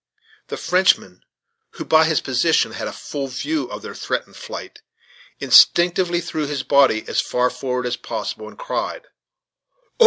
The Frenchman, who by his position had a full view of their threatened flight, instinctively threw his body as far forward as possible, and cried, "Oh!